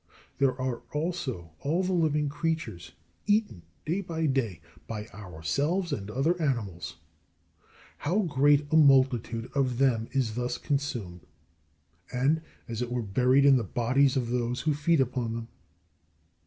There are also all the living creatures eaten day by day by ourselves and other animals. How great a multitude of them is thus consumed, and as it were buried in the bodies of those who feed upon them.